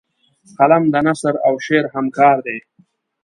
قلم د نثر او شعر همکار دی